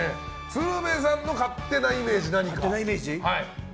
鶴瓶さんの勝手なイメージは？